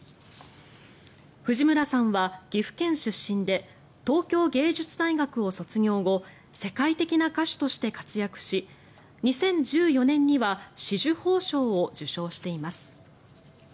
藤村さんは岐阜県出身で東京芸術大学を卒業後世界的な歌手として活躍し２０１４年には紫綬褒章を受章しています。